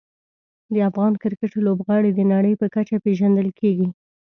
د افغان کرکټ لوبغاړي د نړۍ په کچه پېژندل کېږي.